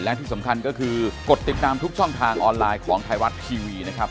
และที่สำคัญก็คือกดติดตามทุกช่องทางออนไลน์ของไทยรัฐทีวีนะครับ